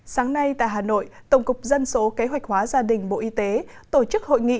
sáng nay tại hà nội tổng cục dân số kế hoạch hóa gia đình bộ y tế tổ chức hội nghị